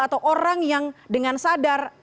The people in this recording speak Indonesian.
atau orang yang dengan sadar